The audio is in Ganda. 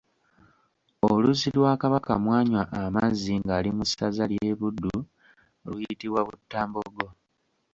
Oluzzi lwa Kabaka mwanywa amazzi ng’ali mu ssaza lye Buddu luyitibwa Buttambogo.